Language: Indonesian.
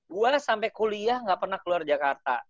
gue lah sampai kuliah gak pernah keluar jakarta